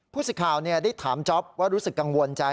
สิทธิ์ข่าวได้ถามจ๊อปว่ารู้สึกกังวลใจ